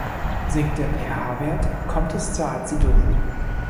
Sinkt der pH-Wert, kommt es zur Azidose.